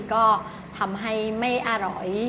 ก็ทำให้ไม่อร่อย